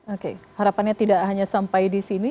oke harapannya tidak hanya sampai di sini